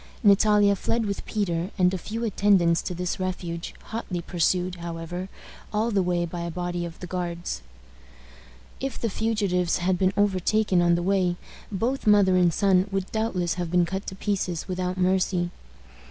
Natalia fled with Peter and a few attendants to this refuge, hotly pursued, however, all the way by a body of the Guards. If the fugitives had been overtaken on the way, both mother and son would doubtless have been cut to pieces without mercy.